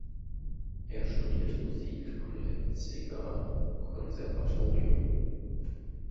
Er studierte Musik am Leipziger Konservatorium.